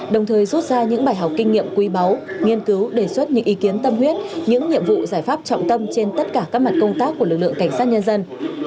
đồng thời rút ra những bài học kinh nghiệm quý báu nghiên cứu đề xuất những ý kiến tâm huyết những nhiệm vụ giải pháp trọng tâm trên tất cả các mặt công tác của lực lượng cảnh sát nhân dân